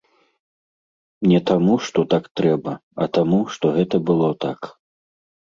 Не таму, што так трэба, а таму, што гэта было так.